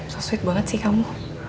so sweet banget sih kamu